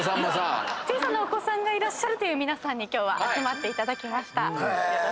小さなお子さんがいらっしゃる皆さんに今日は集まっていただきました。